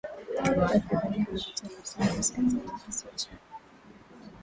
Takriban kilomita hamsini kaskazini ya kisiwa cha Unguja